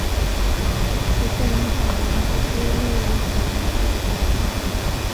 史色甲龙被归类于甲龙科的甲龙亚科。